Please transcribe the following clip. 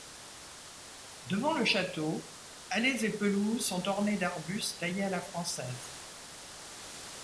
Devant le château allées et pelouses sont ornées d'arbustes taillés à la française.